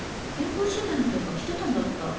健康診断の結果きてたんだった。